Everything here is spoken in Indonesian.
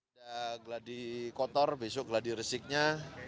ada geladi kotor besok geladi resiknya